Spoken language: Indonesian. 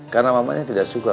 karena mamanya tidak suka